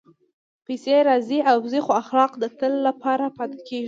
پېسې راځي او ځي، خو اخلاق د تل لپاره پاتې کېږي.